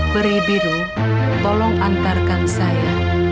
pri biru tolong antarkan saya